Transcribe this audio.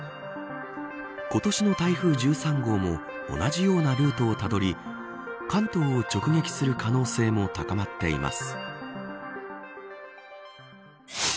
今年の台風１３号も同じようなルートをたどり関東を直撃する可能性も高まっています。